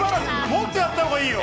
もっとやったほうがいいよ。